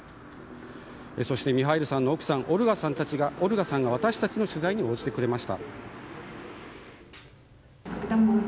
そして、ミハイロさんの奥さんオルガさんが私たちの取材に応じてくれました。